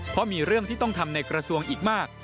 เพราะมีเรื่องที่ต้องทำในกระทรวงอีกมาก